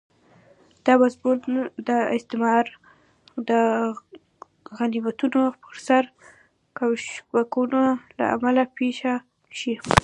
دا موضوع د استعمار د غنیمتونو پر سر کشمکشونو له امله پېښه شي.